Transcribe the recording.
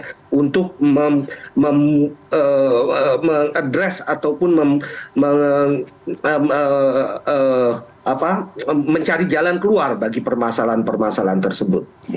kita untuk mengadres ataupun mencari jalan keluar bagi permasalahan permasalahan tersebut